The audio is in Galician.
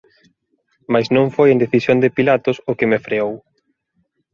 Mais non foi a indecisión de Pilatos o que me freou.